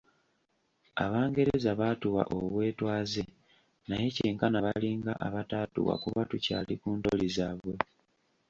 Abangereza baatuwa obwetwaze naye kyenkana balinga abataatuwa kuba tukyali ku ntoli zaabwe.